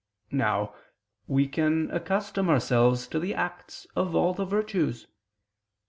Now, we can accustom ourselves to the acts of all the virtues.